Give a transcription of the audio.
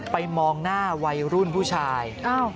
มองหน้าวัยรุ่นผู้ชาย